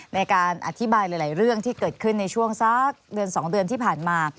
ในการอธิบายหลายเรื่องที่เกิดขึ้นในช่วงสักเดือน๒เดือนที่ผ่านมา